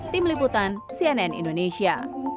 tim liputan cnn indonesia